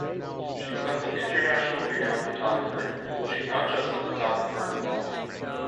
She becomes an international renown photographer, but she’s not just “the photographer of the mafia”